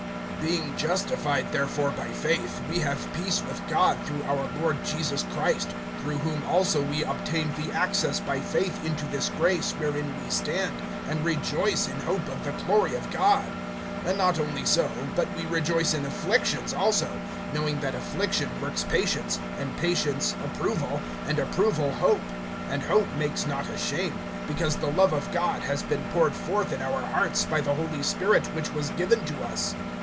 BEING justified therefore by faith, we have peace with God through our Lord Jesus Christ; (2)through whom also we obtained the access by faith into this grace wherein we stand, and rejoice in hope of the glory of God. (3)And not only so, but we rejoice in afflictions also; knowing that affliction works patience; (4)and patience approval; and approval hope; (5)and hope makes not ashamed; because the love of God has been poured forth in our hearts, by the Holy Spirit which was given to us.